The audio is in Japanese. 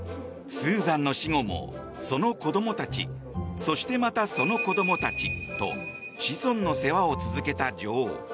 スーザンの死後もその子供たちそして、またその子供たちと子孫の世話を続けた女王。